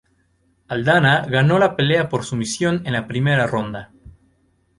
Aldana ganó la pelea por sumisión en la primera ronda.